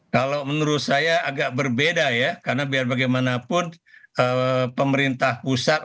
kalau menurut saya agak berbeda ya karena biar bagaimanapun pemerintah pusat